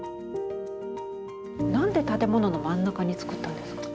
なんで建物の真ん中に造ったんですか？